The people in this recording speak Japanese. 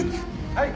はい。